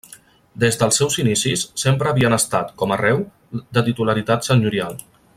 Des dels seus inicis sempre havien estat, com arreu, de titularitat senyorial.